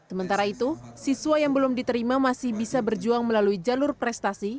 sementara itu siswa yang belum diterima masih bisa berjuang melalui jalur prestasi